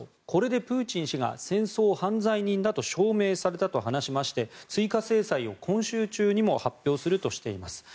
これでプーチン氏が戦争犯罪人だと証明されたと話しまして追加制裁を今週中にも発表するとしています。